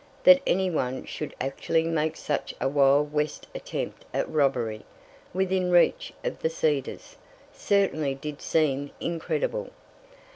That any one should actually make such a wild west attempt at robbery, within reach of the Cedars, certainly did seem incredible.